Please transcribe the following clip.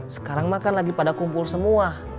sekarang makan lagi pada kumpul semua